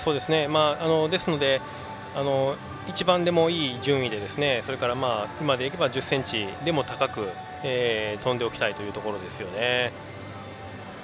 ですので１番でもいい順位で今でいけば、１０ｃｍでも高く跳んでおきたいというところですよね。